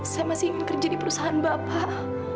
saya masih ingin kerja di perusahaan bapak